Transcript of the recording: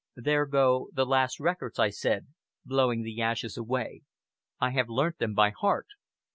"There go the last records," I said, blowing the ashes away, "I have learnt them by heart."